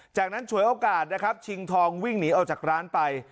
จากนั้นฉวยโอกาสนะครับชิงทองวิ่งหนีออกจากร้านไป